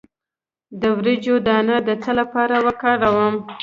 د وریجو دانه د څه لپاره وکاروم؟